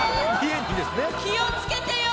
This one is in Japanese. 気を付けてよ。